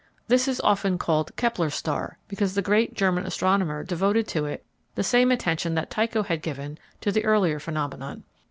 This is often called "Kepler's star," because the great German astronomer devoted to it the same attention that Tycho had given to the earlier phenomenon.